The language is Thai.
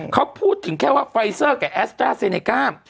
เขาพูดถึงแค่ว่าไฟเซอร์กับแอสตราเซเนก้า